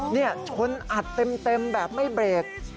นี่ชนอัดเต็มแบบไม่เบรก